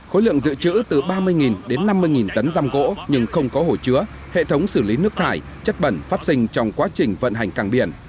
khối lượng dự trữ từ ba mươi đến năm mươi tấn răm gỗ nhưng không có hồ chứa hệ thống xử lý nước thải chất bẩn phát sinh trong quá trình vận hành cảng biển